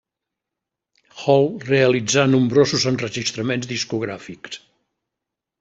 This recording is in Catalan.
Hall realitzà nombrosos enregistraments discogràfics.